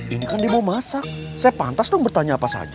ini kan dia mau masak saya pantas dong bertanya apa saja